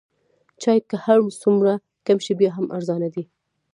چای که هر څومره کم شي بیا هم ارزانه دی.